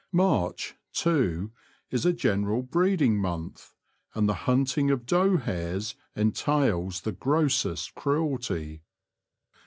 March, too, is a general breeding month, and the hunting of doe hares entails the grossest cruelty.